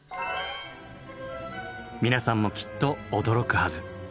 皆さんもきっと驚くはず。